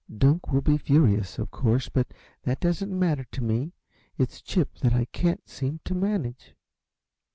Dunk will be furious, of course, but that doesn't matter to me it's Chip that I can't seem to manage."